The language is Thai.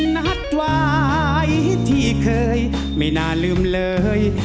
นัดไว้ที่เคยไม่น่าลืมเลย